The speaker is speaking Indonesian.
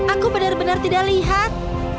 aku benar benar tidak lihat